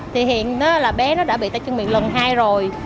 thì hiện là bé nó đã bị tay chân miệng lần hai rồi